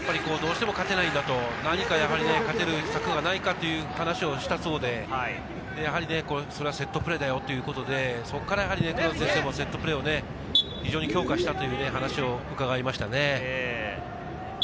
どうしても勝てないんだと、何かやはり勝てる策はないかという話をしたそうで、それはセットプレーだよということで、そこから黒田先生もセットプレーを非常に強化したという話を伺いましたね。